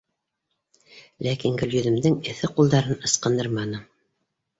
Ләкин Гөлйөҙөмдөң эҫе ҡулдарын ысҡындырманы: